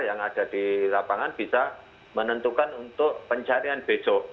yang ada di lapangan bisa menentukan untuk pencarian besok